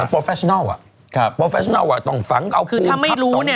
พอฟแฟชั่นัลอะพอฟแฟชั่นัลอะต่องฝังเอาปรุงพับสองชั้นอะไรอย่างนี้